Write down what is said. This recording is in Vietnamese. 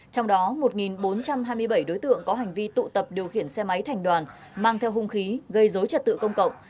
trong đó một bốn trăm hai mươi bảy đối tượng có hành vi tụ tập điều khiển xe máy thành đoàn mang theo hung khí gây dối trật tự công cộng